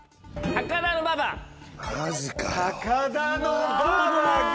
高田馬場が。